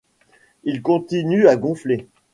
Il continue à gonfler.